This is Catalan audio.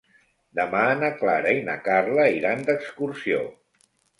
Demà na Clara i na Carla iran d'excursió.